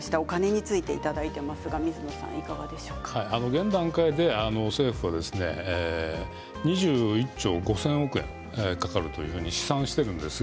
現段階で政府は２１兆５０００億円かかると試算しています。